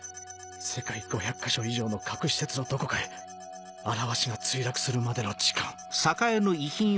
世界５００か所以上の核施設のどこかへ「あらわし」が墜落するまでの時間。